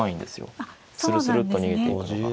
スルスルッと逃げていくのが。